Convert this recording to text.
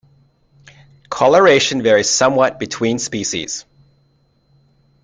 Coloration varies somewhat between species.